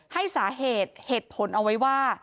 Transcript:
ให้สาเหตุเหตุผลเอาไว้ว่า